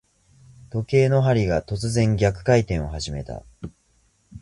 時計の針が、突然逆回転を始めた。